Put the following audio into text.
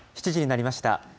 ７時になりました。